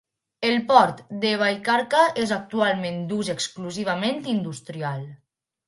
El port de Vallcarca és actualment d'ús exclusivament industrial.